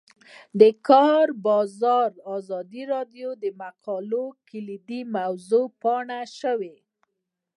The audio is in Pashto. د کار بازار د ازادي راډیو د مقالو کلیدي موضوع پاتې شوی.